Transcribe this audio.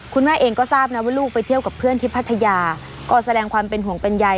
คุณแม่เองก็ทราบนะว่าลูกไปเที่ยวกับเพื่อนที่พัทยาก็แสดงความเป็นห่วงเป็นใย